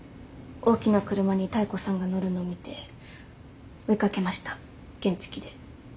大きな車に妙子さんが乗るの見て追い掛けました原付きで。